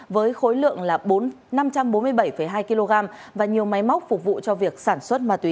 với khối lượng năm trăm bốn mươi bảy hai kg và nhiều máy móc phục vụ cho việc sản xuất ma túy